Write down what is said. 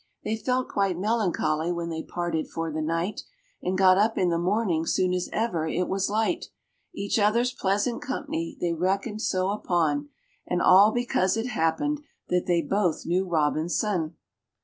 They felt quite melancholy when they parted for the night, And got up in the morning soon as ever it was light; Each other's pleasant company they reckoned so upon, And all because it happened that they both knew ROBINSON!